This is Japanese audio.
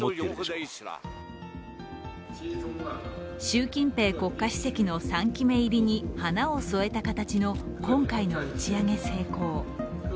習近平国家主席の３期目入りに花を添えた形の今回の打ち上げ成功。